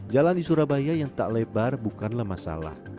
jalan di surabaya yang tak lebar bukanlah masalah